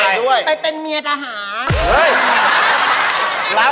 ก็เลยไปด้วยไปเป็นเมียทหารไม่ทำอะไร